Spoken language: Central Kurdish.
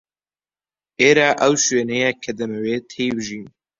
ئێرە ئەو شوێنەیە کە دەمەوێت تێی بژیم.